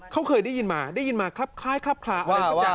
เขาเคยได้ยินมาได้ยินมาคล้ายอะไรทุกอย่าง